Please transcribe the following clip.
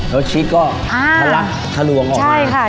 แล้วชิคก็หรอกหลวงออกมา